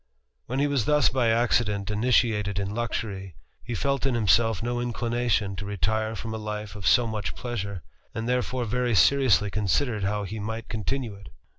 When he was thus by accident initiated in luxury, he fe in himself no inclination to retire from a life of so mu( pleasure, and therefore very seriously considered how might continue it.